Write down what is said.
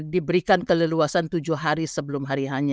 diberikan keleluasan tujuh hari sebelum hari hanya